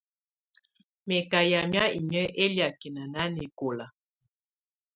Mɛ̀ kà yamɛ̀́á inyǝ́ ɛliakɛna nanɛkɔ̀la.